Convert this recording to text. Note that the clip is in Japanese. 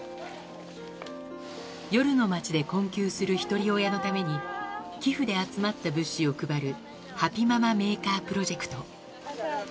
夜の街で困窮するひとり親のために、寄付で集まった物資を配るハピママメーカープロジェクト。